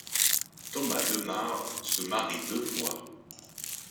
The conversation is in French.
Thomas de Mar se marie deux fois.